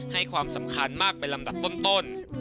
ให้ความสำคัญมากเป็นลำดับต้น